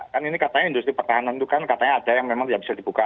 kan ini katanya industri pertahanan itu kan katanya ada yang memang bisa dibuka